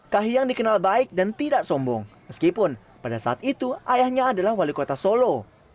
kahiyang dikenal baik dan tidak sombong meskipun pada saat itu ayahnya adalah wali kota solo